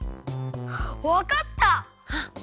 わかった！